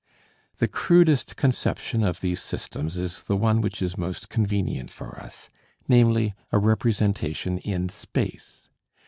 The crudest conception of these systems is the one which is most convenient for us, namely, a representation in space.